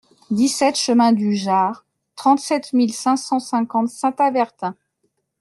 dix-sept chemin du Jard, trente-sept mille cinq cent cinquante Saint-Avertin